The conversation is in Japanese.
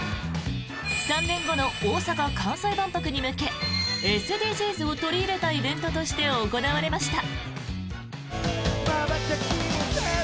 ３年後の大阪・関西万博に向けＳＤＧｓを取り入れたイベントとして行われました。